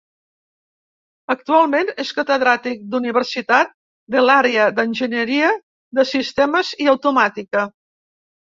Actualment és Catedràtic d'Universitat de l'àrea d'Enginyeria de Sistemes i Automàtica.